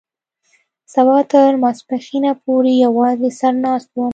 سبا تر ماسپښينه پورې يوازې سر ناست وم.